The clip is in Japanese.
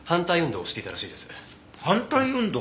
反対運動？